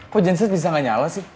kok jensis bisa gak nyala sih